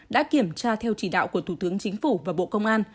đã kiểm tra theo chỉ đạo của thủ tướng chính phủ và bộ công an